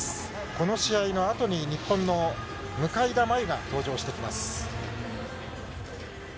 この試合のあとに日本の向田真優が登場してきます。